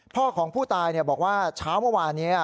พ่อของผู้ตายบอกว่าเช้าเมื่อวานนี้